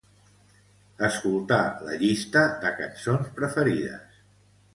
Escoltar la llista de cançons preferides.